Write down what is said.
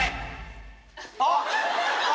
あっ！